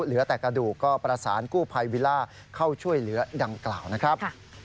เหลือแต่กระดูกก็ประสานกู้ภัยวิลล่าเข้าช่วยเหลือดังกล่าวนะครับ